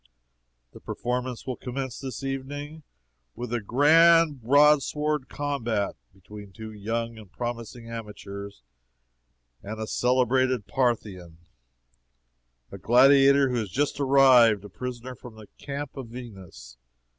The performance will commence this evening with a GRAND BROADSWORD COMBAT! between two young and promising amateurs and a celebrated Parthian gladiator who has just arrived a prisoner from the Camp of Verus.